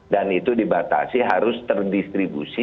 dan itu dibatasi harus terdistribusi